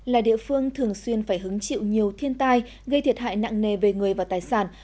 là địa phương thường xuyên phải hứng chịu nhiều thiên tai gây thiệt hại nặng nề về người và tài sản